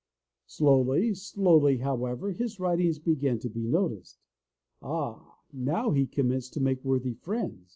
Slowly, slowly, however, his writings began to be noticed. Ah! Now he commenced to make worthy friends.